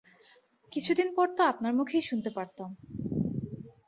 কিছু দিন পর তো আপনার মুখেই শুনতে পারতাম।